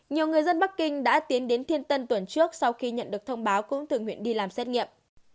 nhiều người dân bắc kinh đã tiến đến thiên tân tuần trước sau khi nhận được thông báo cũng tự nguyện đi làm xét nghiệm